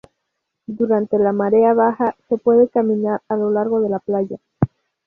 Durante la marea baja, se puede caminar a lo largo de la playa.